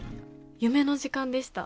夢の時間でした。